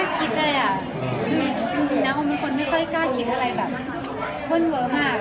จริงนะผมเป็นคนไม่ปลอดภัยอะไรแบบเวิ่นเว้อมากอะ